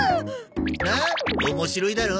なっ面白いだろ？